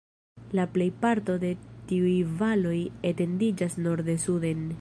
La plejparto de tiuj valoj etendiĝas norde-suden.